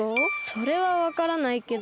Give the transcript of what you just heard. それはわからないけど。